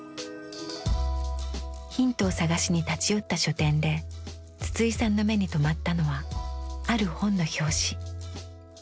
ヒントを探しに立ち寄った書店で筒井さんの目に留まったのはある本の表紙。